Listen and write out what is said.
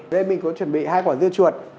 vậy mình cũng chuẩn bị hai quả dưa chuột